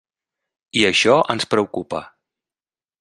I això ens preocupa.